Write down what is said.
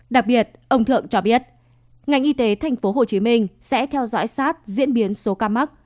đặc biệt ông thượng cho biết ngành y tế tp hcm sẽ theo dõi sát diễn biến số ca mắc